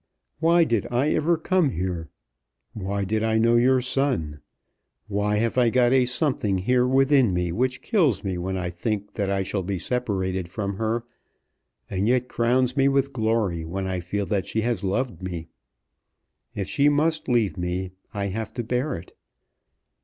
Why did I ever come here? Why did I know your son? Why have I got a something here within me which kills me when I think that I shall be separated from her, and yet crowns me with glory when I feel that she has loved me. If she must leave me, I have to bear it.